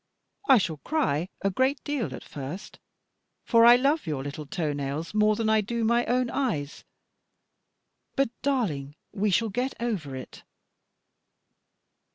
I shall cry a great deal at first, for I love your little toe nails more than I do my own eyes; but, darling, we shall get over it."